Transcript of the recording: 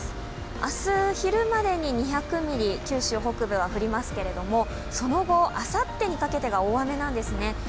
明日、昼までに２００ミリ九州北部は降りますけどもその後、あさってにかけてが大雨なんですね。